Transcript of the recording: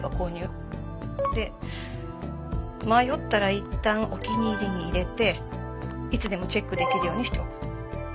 で迷ったらいったんお気に入りに入れていつでもチェックできるようにしておく。